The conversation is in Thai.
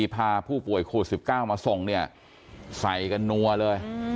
พาผู้ป่วยโคนสิบเก้ามาส่งเนี่ยใส่กันนัวเลยอืม